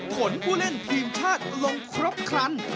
ผลผู้เล่นทีมชาติลงครบครัน